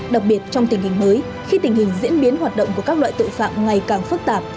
đặc biệt trong tình hình mới khi tình hình diễn biến hoạt động của các loại tội phạm ngày càng phức tạp